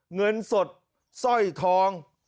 เงินสดสร้อยทอง